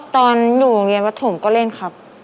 ตอนอยู่โรงเรียนปฐมก็เล่นครับ